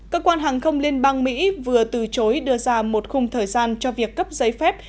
cơ quan hàng không liên bang mỹ vừa từ chối đưa ra một khung thời gian cho việc cấp giấy phép